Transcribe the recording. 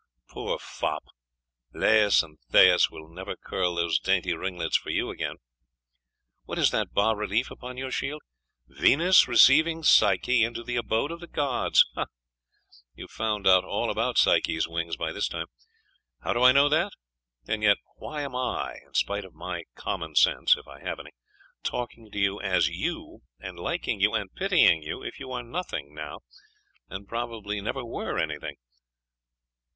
Poor fop! Lais and Thais will never curl those dainty ringlets for you again! What is that bas relief upon your shield? Venus receiving Psyche into the abode of the gods!.... Ah! you have found out all about Psyche's wings by this time.... How do I know that? And yet, why am I, in spite of my common sense if I have any talking to you as you, and liking you, and pitying you, if you are nothing now, and probably never were anything?